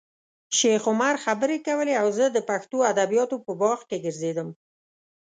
شیخ عمر خبرې کولې او زه د پښتو ادبیاتو په باغ کې ګرځېدم.